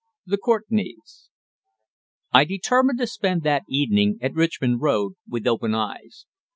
THE COURTENAYS. I determined to spend that evening at Richmond Road with open eyes.